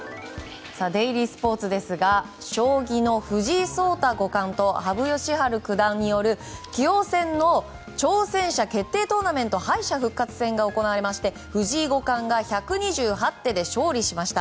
デイリースポーツですが将棋の藤井聡太五冠と羽生善治九段による棋王戦の挑戦者決定トーナメント敗者復活戦が行われまして、藤井五冠が１２８手で勝利しました。